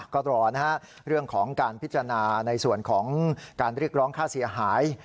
ก็รอนะฮะเรื่องของการพิจารณาในส่วนของการเรียกร้องค่าเสียหาย